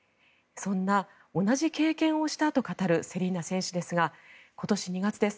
そんな、同じ経験をしたと語るセリーナ選手ですが今年２月です。